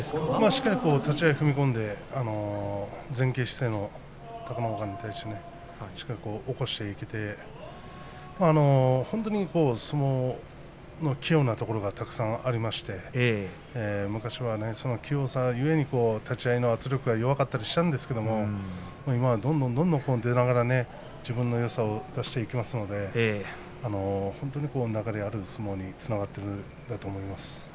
しっかり踏み込んで前傾姿勢の隆の勝に対して起こしていって本当に相撲が器用なところがたくさんありまして昔はその器用さ故に立ち合いの圧力が弱かったりしたんですが今はどんどんどんどん出ながら自分のよさを出していきますので本当に流れのある相撲につながっているんだと思います。